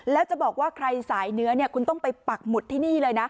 แล้วจะบอกว่าใครสายเนื้อคุณต้องไปปักหมุดที่นี่เลยนะ